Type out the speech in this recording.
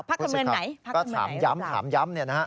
ภาคการเมืองไหนหรือเปล่าภาคการเมืองไหนหรือเปล่าก็ถามย้ำถามย้ำ